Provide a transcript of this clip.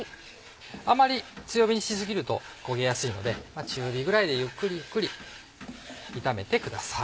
あんまり強火にし過ぎると焦げやすいので中火ぐらいでゆっくりゆっくり炒めてください。